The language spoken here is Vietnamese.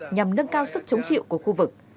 nhằm nâng cao sức chống chịu của khu vực